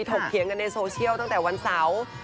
ถียงกันในโซเชียลตั้งแต่วันเสาร์